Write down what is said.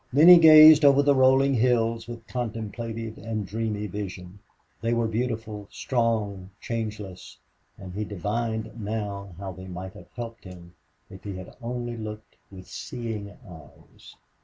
Then he gazed over the rolling hills with contemplative and dreamy vision. They were beautiful, strong, changeless and he divined now how they might have helped him if he had only looked with seeing eyes.